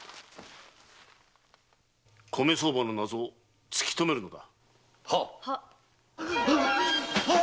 米相場の謎突きとめるのだ。